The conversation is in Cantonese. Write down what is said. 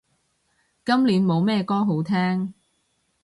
今年冇咩歌好聼